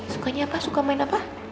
sukanya apa suka main apa